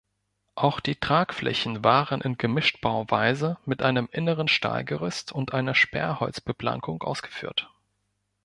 Auch die Tragflächen waren in Gemischtbauweise mit einem inneren Stahlgerüst und einer Sperrholzbeplankung ausgeführt.